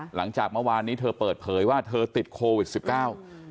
หลังจากเมื่อวานนี้เธอเปิดเผยว่าเธอติดโควิดสิบเก้า